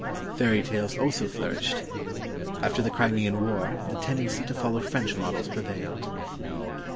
Fairy tales also flourished. After the Crimean War the tendency to follow French models prevailed.